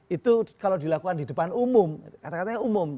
itu kalau dilakukan di depan umum katanya umum